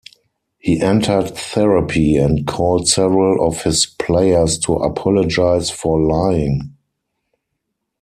He entered therapy, and called several of his players to apologize for lying.